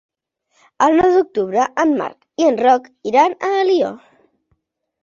El nou d'octubre en Marc i en Roc iran a Alió.